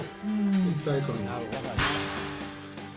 一体感が。